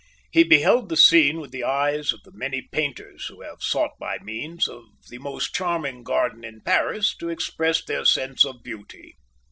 He beheld the scene with the eyes of the many painters who have sought by means of the most charming garden in Paris to express their sense of beauty.